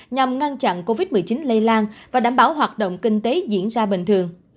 nhằm ngăn chặn covid một mươi chín lây lan và đảm bảo hoạt động kinh tế diễn ra bình thường